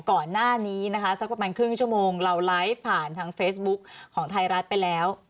ก่อนหน้านี้นะคะสักประมาณครึ่งชั่วโมงเราไลฟ์ผ่านทางเฟซบุ๊คของไทยรัฐไปแล้ว